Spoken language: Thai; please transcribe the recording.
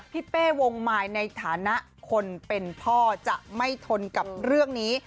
เป้วงมายในฐานะคนเป็นพ่อจะไม่ทนกับเรื่องนี้